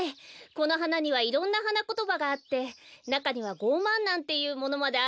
このはなにはいろんなはなことばがあってなかには「ゴーマン」なんていうものまであるんです。